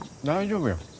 大丈夫や。